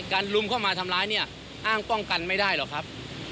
ลุมเข้ามาทำร้ายเนี่ยอ้างป้องกันไม่ได้หรอกครับ